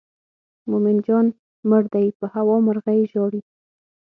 مومن جان مړ دی په هوا مرغۍ ژاړي.